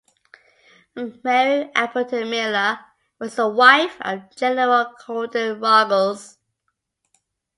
Mary Appleton Miller was the wife of General Colden Ruggles.